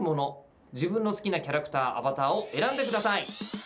自分の好きなキャラクターアバターを選んでください。